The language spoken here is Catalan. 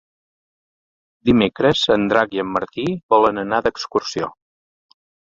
Dimecres en Drac i en Martí volen anar d'excursió.